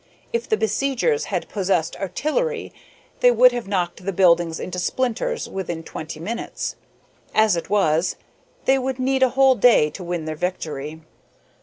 If the besiegers had possessed artillery they would have knocked the buildings into splinters within twenty minutes. As it was, they would need a whole day to win their victory.